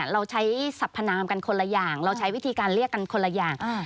เราใช้สัพพนามกันคนละอย่างเราใช้วิธีการเรียกกันคนละอย่าง